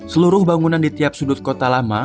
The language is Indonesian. seluruh bangunan di tiap sudut kota lama